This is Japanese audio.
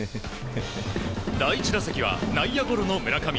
第１打席は内野ゴロの村上。